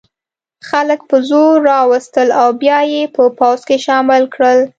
خلک په زور را وستل او بیا یې په پوځ کې شامل کړل.